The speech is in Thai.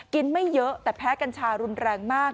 ไม่เยอะแต่แพ้กัญชารุนแรงมาก